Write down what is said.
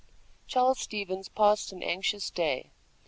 Charles Stevens passed an anxious day.